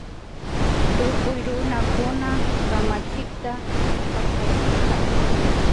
Tukuy runakuna kamachikta paktachishpa